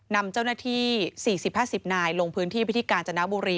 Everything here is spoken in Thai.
นำเจ้าหน้าที่๔๐๕๐นายลงพื้นที่ไปที่กาญจนบุรี